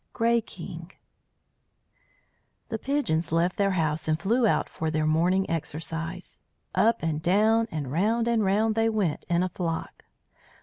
GREY KING The Pigeons left their house and flew out for their morning exercise. Up and down, and round and round, they went in a flock.